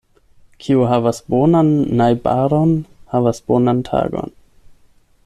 Kiu havas bonan najbaron, havas bonan tagon.